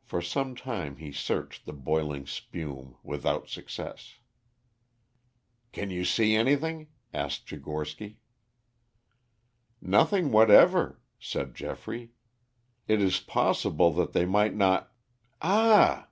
For some time he searched the boiling spume without success. "Can you see anything?" asked Tchigorsky. "Nothing whatever," said Geoffrey. "It is possible that they might not Ah!"